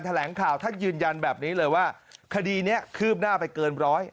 แถลงข่าวท่านยืนยันแบบนี้เลยว่าคดีนี้คืบหน้าไปเกินร้อย